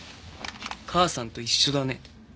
母さんと一緒だね。